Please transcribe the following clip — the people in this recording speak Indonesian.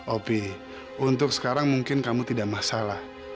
opi untuk sekarang mungkin kamu tidak masalah